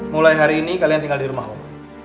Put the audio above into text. mulai hari ini kalian tinggal di rumah om